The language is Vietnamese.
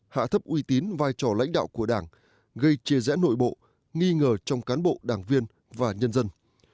hạ thấp uy tín vai trò lãnh đạo của đảng gây chia rẽ nội bộ nghi ngờ trong cán bộ đảng viên và nhân dân